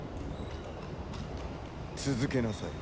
続けなさい。